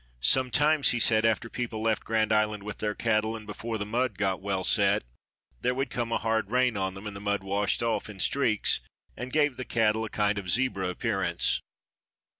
Sometimes he said after people left Grand Island with their cattle and before the mud got well set, there would come a hard rain on them and the mud washed off in streaks and gave the cattle kind of a zebra appearance.